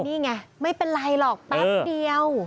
นี่ไงไม่เป็นไรหรอกแป๊บเดียว